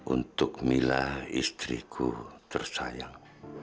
untuk mila istriku tersayang